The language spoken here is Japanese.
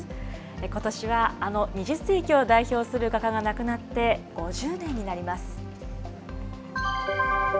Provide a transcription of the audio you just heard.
ことしは、あの２０世紀を代表する画家が亡くなって５０年になります。